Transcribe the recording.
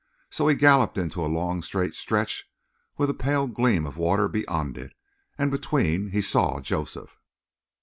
So he galloped into a long, straight stretch with a pale gleam of water beyond it; and between he saw Joseph.